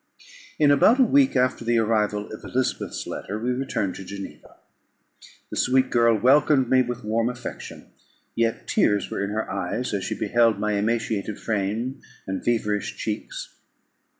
In about a week after the arrival of Elizabeth's letter, we returned to Geneva. The sweet girl welcomed me with warm affection; yet tears were in her eyes, as she beheld my emaciated frame and feverish cheeks.